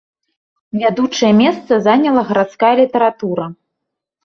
Вядучае месца заняла гарадская літаратура.